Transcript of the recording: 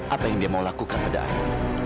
apa yang dia mau lakukan pada akhirnya